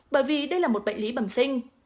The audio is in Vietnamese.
bởi vì đây là một bệnh lý bẩm sinh